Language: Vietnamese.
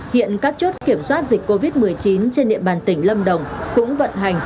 hiện các chốt kiểm soát dịch covid một mươi chín trên địa bàn tỉnh lâm đồng cũng vận hành